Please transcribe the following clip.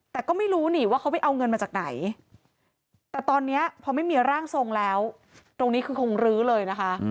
แต่ก็ไม่รู้นี่ว่าเขาไปเอาเงินมาจากไหนแต่ตอนนี้พอไม่มีร่างทรงแล้วตรงนี้คือคงรื้อเลยนะคะ